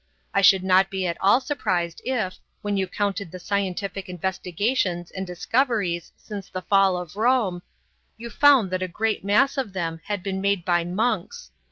I should not be at all surprised if, when you counted the scientific investigations and discoveries since the fall of Rome, you found that a great mass of them had been made by monks.